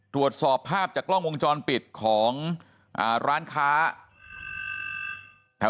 ตรวจสอบภาพจากกล้องวงจรปิดของร้านค้าแถว